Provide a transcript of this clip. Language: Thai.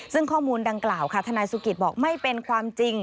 ซึ่งข้อมูลดังกล่าวค่ะทนายสุกิตบอกไม่เป็นความจริง